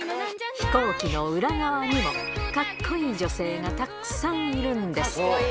飛行機の裏側にも、かっこいい女性がたっくさんいるんです。